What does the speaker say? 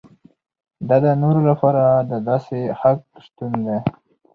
دا د نورو لپاره د داسې حق شتون دی.